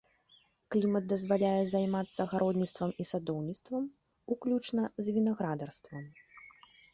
Клімат дазваляе займацца гародніцтвам і садоўніцтвам, уключна з вінаградарствам.